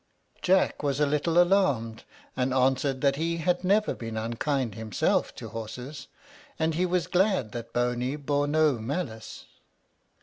Jack was a little alarmed, and answered that he had never been unkind himself to horses, and he was glad that Boney bore no malice.